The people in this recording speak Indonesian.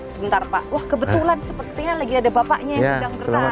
sebentar pak wah kebetulan sepertinya lagi ada bapaknya yang sedang bertarung